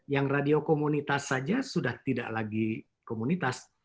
yang radio komunitas saja sudah tidak lagi komunitas